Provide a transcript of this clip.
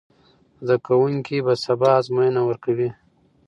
زده کوونکي به سبا ازموینه ورکوي.